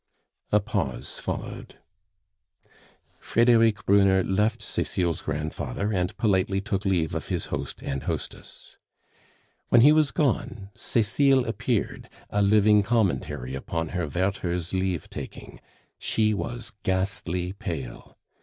A pause followed; Frederic Brunner left Cecile's grandfather and politely took leave of his host and hostess. When he was gone, Cecile appeared, a living commentary upon her Werther's leave taking; she was ghastly pale.